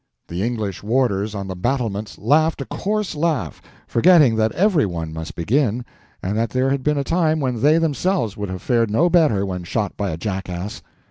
The English warders on the battlements laughed a coarse laugh, forgetting that every one must begin, and that there had been a time when they themselves would have fared no better when shot by a jackass.